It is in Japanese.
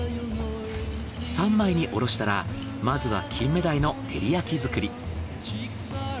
３枚におろしたらまずはキンメダイの照り焼き作り。